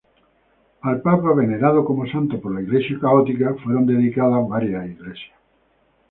Al papa, venerado como santo por la Iglesia católica, fueron dedicadas varias iglesias.